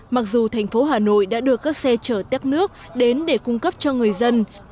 mặc dù thành phố hà nội đã đưa các xe chở tét nước đến để cung cấp cho người dân